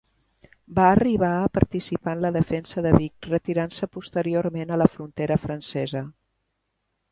Va arribar a participar en la defensa de Vic, retirant-se posteriorment a la frontera francesa.